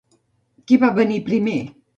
Qui va venir primer?